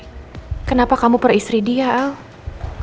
kalau mbali ketemu biar kenapa rapport hittingnya juga erin